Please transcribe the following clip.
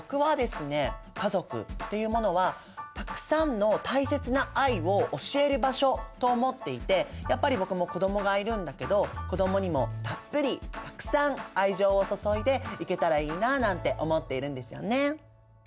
家族っていうものはたくさんの大切な愛を教える場所と思っていてやっぱり僕も子どもがいるんだけど子どもにもたっぷりたくさん愛情を注いでいけたらいいななんて思っているんですよね。